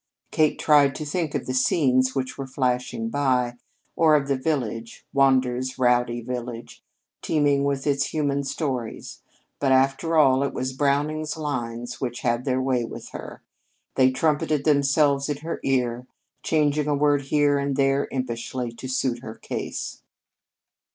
Kate tried to think of the scenes which were flashing by, or of the village, Wander's "rowdy" village, teeming with its human stories; but, after all, it was Browning's lines which had their way with her. They trumpeted themselves in her ear, changing a word here and there, impishly, to suit her case.